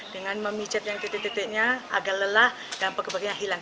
dengan memicet yang titik titiknya agak lelah dan pekebaknya hilang